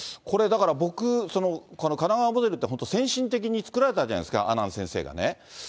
これ、だから僕、神奈川モデルって、先進的に作られたじゃないですか、阿南先生がね。